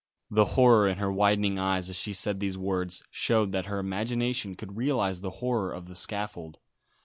The horror in her widening eyes as she said these words showed that her imagination could realise the horror of the scaffold.